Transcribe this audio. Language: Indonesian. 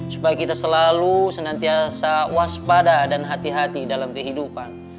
supaya kita selalu senantiasa waspada dan hati hati dalam kehidupan